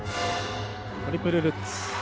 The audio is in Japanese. トリプルルッツ。